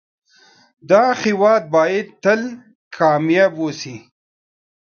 دا هيواد بايد تل کامیاب اوسی